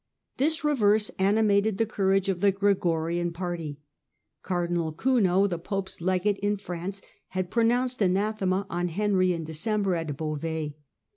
This reverse animated the courage of the Gregorian party. Cardinal Kuno, the pope's legate in France, had pronounced anathema on Henry in De cember at Beauvais.